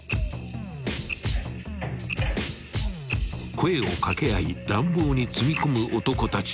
［声を掛け合い乱暴に積み込む男たち］